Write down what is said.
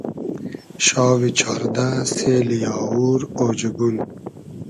شاوی چاردۂ سېلی آوور اۉجئگون